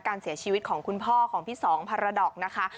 การเสียชีวิตของคุณพ่อของพี่สองพารดอกนะคะ